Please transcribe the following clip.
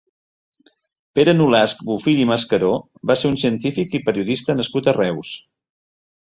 Pere Nolasc Bofill i Mascaró va ser un científic i periodista nascut a Reus.